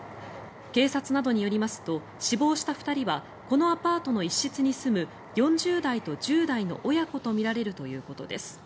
警察などによりますと死亡した２人はこのアパートの一室に住む４０代と１０代の親子とみられるということです。